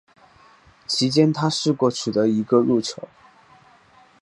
其间他试过取得一个入球。